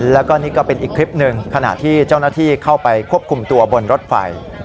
แล้วก็นี่ก็เป็นอีกคลิปหนึ่งขณะที่เจ้าหน้าที่เข้าไปควบคุมตัวบนรถไฟ